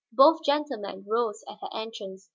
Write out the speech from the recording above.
Both gentlemen rose at her entrance.